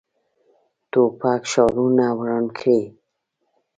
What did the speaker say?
توپک ښارونه وران کړي.